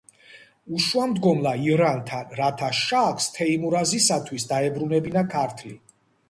ეშუამდგომლა ირანთან, რათა შაჰს თეიმურაზისათვის დაებრუნებინა ქართლი.